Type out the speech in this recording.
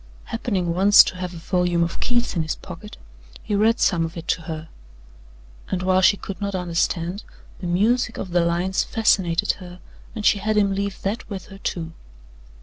Happening once to have a volume of Keats in his pocket, he read some of it to her, and while she could not understand, the music of the lines fascinated her and she had him leave that with her, too.